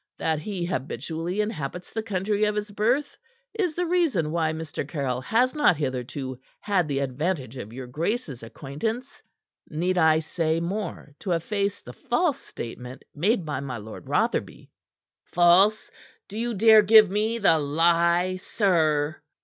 That he habitually inhabits the country of his birth is the reason why Mr. Caryll has not hitherto had the advantage of your grace's acquaintance. Need I say more to efface the false statement made by my Lord Rotherby?" "False? Do you dare give me the lie, sir?"